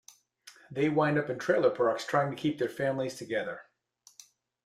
They wind up in trailer parks trying to keep their families together.